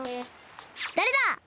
だれだ！？